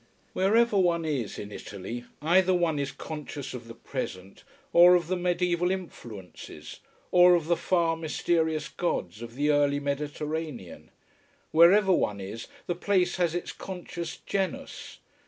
Wherever one is in Italy, either one is conscious of the present, or of the mediaeval influences, or of the far, mysterious gods of the early Mediterranean. Wherever one is, the place has its conscious genus.